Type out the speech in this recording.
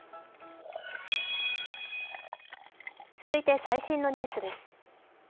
続いて最新のニュースです。